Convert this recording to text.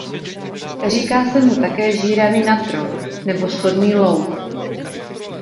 Říká se mu také žíravý natron nebo sodný louh.